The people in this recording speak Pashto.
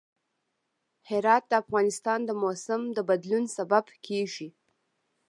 هرات د افغانستان د موسم د بدلون سبب کېږي.